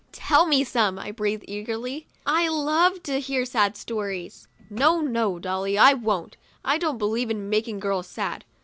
"Tell me some," I breathed eagerly; "I love to hear sad stories." " No, no, Dolly, I won't. I don't believe in making girls sad.